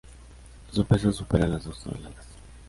Su peso supera las dos toneladas.